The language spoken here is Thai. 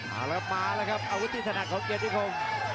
เอาละครับมาละครับอาวุธิธนักของเกียรติคม